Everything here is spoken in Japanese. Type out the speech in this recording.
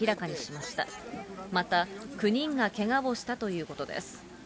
また、９人がけがをしたということです。